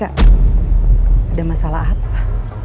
ada masalah apa